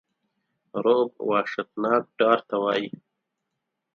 رعب وحشتناک ډار ته وایی.